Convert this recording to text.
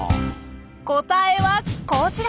答えはこちら！